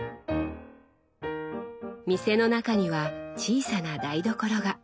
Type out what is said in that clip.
店の中には小さな台所が。